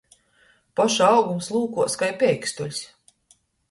Poša augums lūkuos kai peikstuļs.